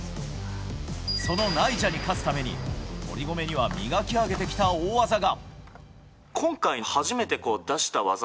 そのナイジャに勝つために堀米には磨き上げてきた大技が。